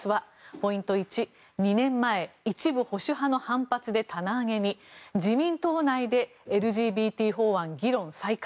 ポイント１、２年前一部保守派の反発で棚上げに自民党内でＬＧＢＴ法案議論再開。